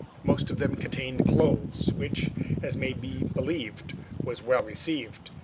Most of them contained clothes, which, as may be believed, was well received.